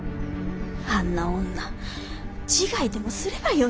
あんな女自害でもすればよいのです。